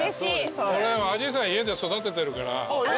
俺あじさい家で育ててるから。